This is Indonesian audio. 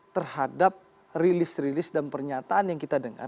terhadap rilis rilis dan pernyataan yang kita dengar